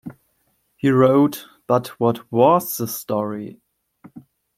He wrote, "But what "was" the story?